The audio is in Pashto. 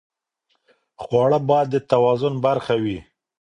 خواړه باید د توازن برخه وي.